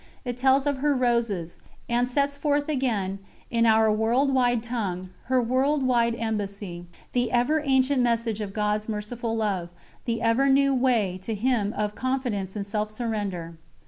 It tells of her "Roses," and sets forth again, in our world wide tongue, her world wide embassy the ever ancient message of God's Merciful Love, the ever new way to Him of "confidence and self surrender."